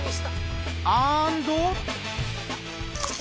アンド！